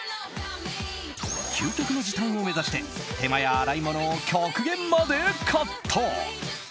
究極の時短を目指して手間や洗い物を極限までカット。